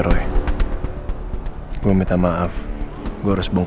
tepat tepat baru lagi